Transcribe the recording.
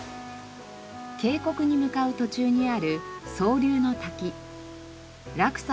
渓谷に向かう途中にある落差